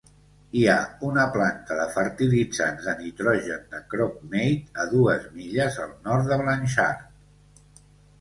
Hi ha una planta de fertilitzants de nitrogen de Cropmate a dues milles al nord de Blanchard.